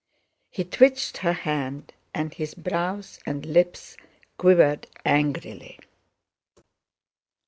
He twitched her hand, and his brows and lips quivered angrily.